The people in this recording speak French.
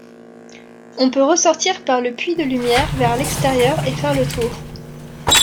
On peut ressortir par le puits de lumière vers l’extérieur et faire le tour.